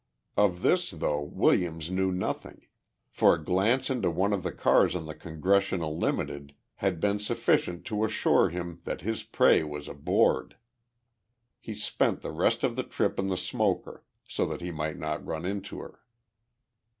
Of this, though, Williams knew nothing for a glance into one of the cars on the Congressional Limited had been sufficient to assure him that his prey was aboard. He spent the rest of the trip in the smoker, so that he might not run into her.